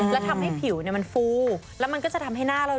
แล้วทำให้ผิวเนี่ยมันฟู